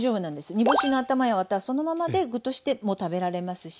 煮干しの頭やワタはそのままで具としても食べられますし